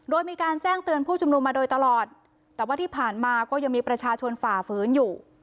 โดยมีการแจ้งเตือนผู้ชุมนุมมาโดยตลอดแต่ว่าที่ผ่านมาก็ยังมีประชาชนฝ่าฝืนอยู่